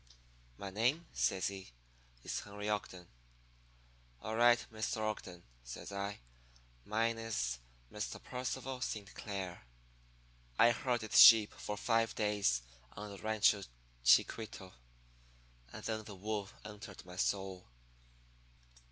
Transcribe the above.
"'My name,' says he, 'is Henry Ogden.' "'All right, Mr. Ogden,' says I. 'Mine is Mr. Percival Saint Clair.' "I herded sheep for five days on the Rancho Chiquito; and then the wool entered my soul.